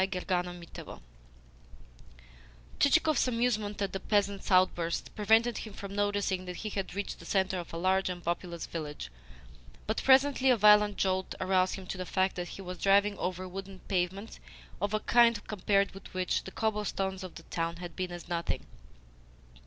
CHAPTER VI Chichikov's amusement at the peasant's outburst prevented him from noticing that he had reached the centre of a large and populous village; but, presently, a violent jolt aroused him to the fact that he was driving over wooden pavements of a kind compared with which the cobblestones of the town had been as nothing.